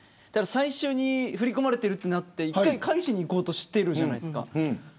最初に振り込まれているとなって一回、返しにいこうとしているじゃないですか。